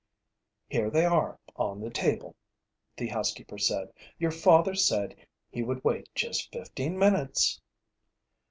"Here they are, on the table," the housekeeper said. "Your father said he would wait just fifteen minutes."